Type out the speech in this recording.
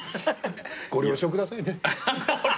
ご了承くださいね。